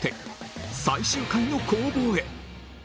最終回の攻防へ